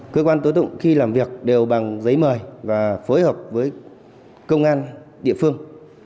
cơ quan tố tụng khi làm việc đều bằng giấy mời và phối hợp với công an địa phương